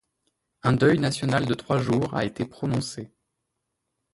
Un deuil national de trois jours a été prononcé.